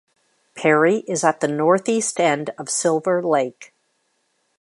Perry is at the northeast end of Silver Lake.